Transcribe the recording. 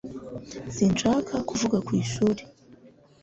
Sinshaka kuvuga ku ishuri